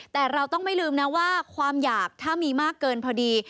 แต่เราต้องไม่ลืมนะว่าความอยากถ้ามีมากเกินพอดี